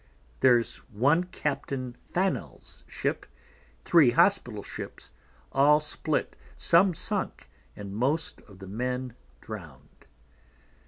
There's one Captain Fanel's Ship, three Hospital Ships, all split, some sunk, and most of the Men drown'd.